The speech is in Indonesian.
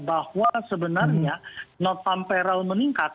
bahwa sebenarnya non farm peral meningkat